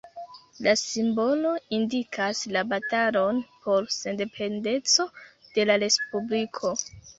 La simbolo indikas la batalon por sendependeco de la respubliko.